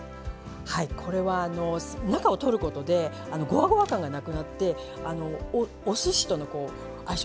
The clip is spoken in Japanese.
はいこれは中を取ることでごわごわ感がなくなっておすしとの相性